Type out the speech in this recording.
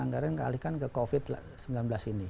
anggaran yang dialihkan ke covid sembilan belas ini